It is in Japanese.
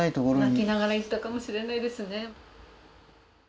泣きながら行ったかもしれないですね。